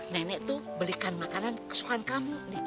nenek tuh belikan makanan kesukaan kamu nih